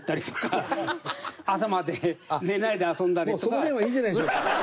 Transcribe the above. その辺はいいんじゃないでしょうか？